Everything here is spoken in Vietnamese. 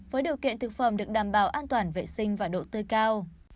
với điều kiện thực phẩm được đảm bảo an toàn vệ sinh và độ tươi cao